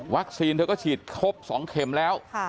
วัคซีนเธอก็ฉีดครบ๒เข็มแล้ว